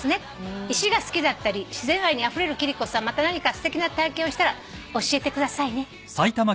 「石が好きだったり自然愛にあふれる貴理子さんまた何かすてきな体験をしたら教えてくださいね」